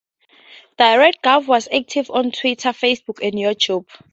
Directgov was active on Twitter, Facebook and YouTube.